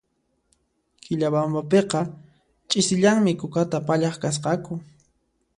Quillabambapiqa ch'isillanmi kukata pallaq kasqaku